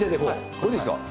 これでいいですか？